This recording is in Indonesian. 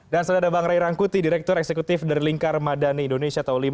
dan sudah ada bang ray rangkuti direktur eksekutif dari lingkar madani indonesia tahun dua ribu lima